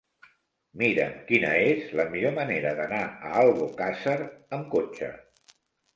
Mira'm quina és la millor manera d'anar a Albocàsser amb cotxe.